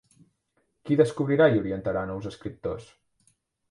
Qui descobrirà i orientarà nous escriptors?